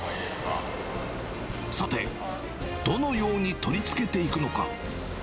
さて、どのように取り付けていくのか。